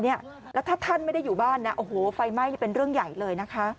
แล้วถ้าท่านไม่ได้อยู่บ้านนะโอ้โหไฟไหม้เป็นเรื่องใหญ่เลยนะคะ